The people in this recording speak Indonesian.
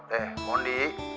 supaya si mondi